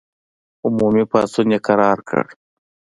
عمومي پاڅون یې کرار کړ.